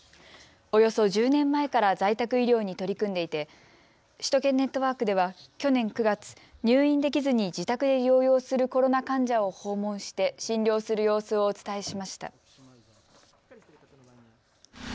およそ１０年前から在宅医療に取り組んでいて首都圏ネットワークでは去年９月、入院できずに自宅で療養するコロナ患者を訪問して診療する様子をお伝えしました。